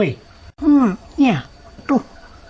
อืมเนี่ยดู